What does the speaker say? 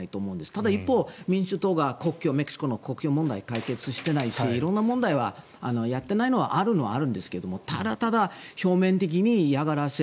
ただ、一方民主党がメキシコとの国境問題を解決していないし色んな問題はやっていないのはあるのはあるんですがただただ表面的に嫌がらせ